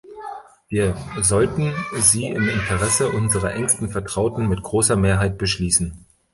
Wir sollten sie im Interesse unserer engsten Vertrauten mit großer Mehrheit beschließen.